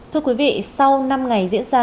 thưa quý vị sau năm ngày diễn ra